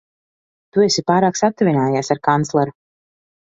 Tu esi pārāk satuvinājies ar kancleru.